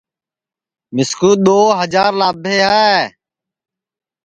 مِسکُو دؔو ہجار لابھے ہے